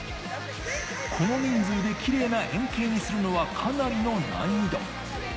この人数でキレイな円形にするのは、かなりの難易度。